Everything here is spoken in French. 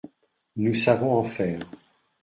Nous savons en faire.